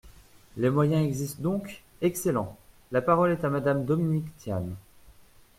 Les moyens existent donc ! Excellent ! La parole est à Monsieur Dominique Tian.